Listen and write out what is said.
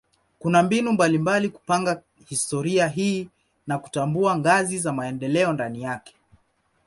Kuna mbinu mbalimbali kupanga historia hii na kutambua ngazi za maendeleo ndani yake.